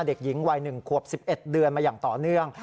เด็กหญิงวัย๑ขวบ๑๑เดือนมาอย่างต่อเนื่อง